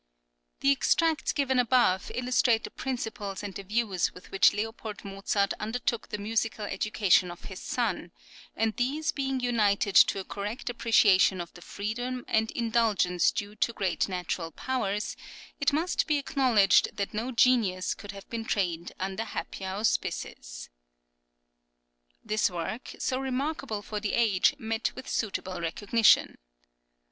The extracts given above illustrate the principles and the views with which L. Mozart undertook the musical education of his son, and these being united to a correct appreciation of the freedom and indulgence due to great natural powers, it must be acknowledged that no genius could have been trained under happier auspices.! This work, so remarkable for the age, met with suitable recognition.